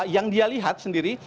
yang dia lihat sendiri